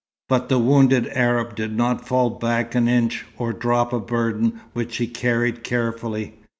But the wounded Arab did not fall back an inch or drop a burden which he carried carefully.